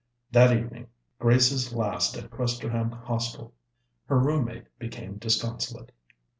That evening, Grace's last at Questerham Hostel, her room mate became disconsolate.